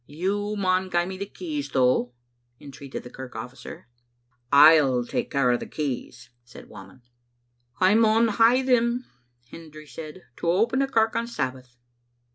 "You maun gie me the keys, though," entreated the kirk officer. " I'll take care o' the keys," said Whamond. "I maun hae them," Hendry said, "to open the kirk on Sabbath."